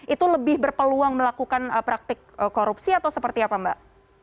itu lebih berpeluang melakukan praktik korupsi atau seperti apa mbak